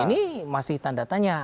ini masih tanda tanya